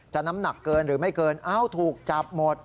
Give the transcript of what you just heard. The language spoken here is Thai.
น้ำหนักเกินหรือไม่เกินเอ้าถูกจับหมด